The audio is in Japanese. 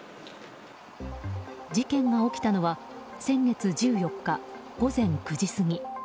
事件が起きたのは先月１４日、午前９時過ぎ。